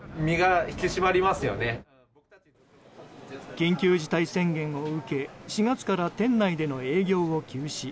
緊急事態宣言を受け、４月から店内での営業を休止。